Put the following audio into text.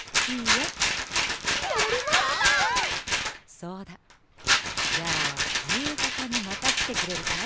そうだじゃあゆうがたにまたきてくれるかい？